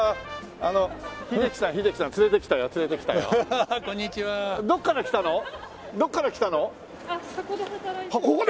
あっここで？